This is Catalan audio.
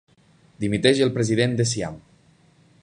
Dimiteix el president de Siam.